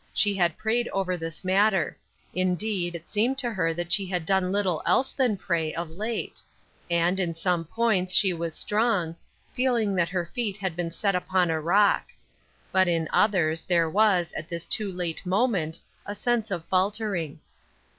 She had prayed over this matter ; indeed, it seemed to ner that she had done little else than pray, of late ; and, in some points, she was strong, feeling that her feet had been set ipon a rock. But in others there was, at this too late moment, a sense of faltering.